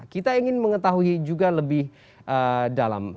kita ingin mengetahui juga lebih dalam